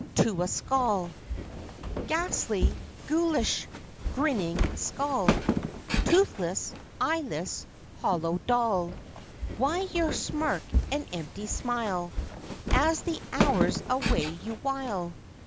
TO A SKULL Ghastly, ghoulish, grinning skull, Toothless, eyeless, hollow, dull, Why your smirk and empty smile As the hours away you wile?